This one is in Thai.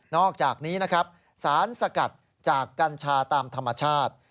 อกจากนี้นะครับสารสกัดจากกัญชาตามธรรมชาติ